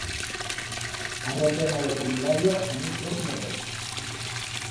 Ha replenau lo formulario en un tres y no res.